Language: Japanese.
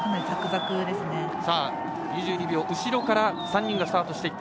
そして２２秒後ろから３人がスタート。